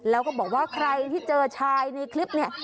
แล้วก็บอกว่าใครที่เจอชายในคลิปเนี่ย